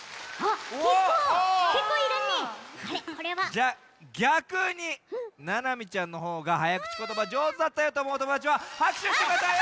じゃぎゃくにななみちゃんのほうがはやくちことばじょうずだったよとおもうおともだちははくしゅしてください！